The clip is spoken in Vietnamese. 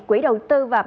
quỹ đầu tư và bạn đọc